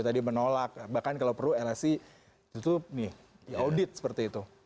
tadi menolak bahkan kalau perlu lsi itu nih di audit seperti itu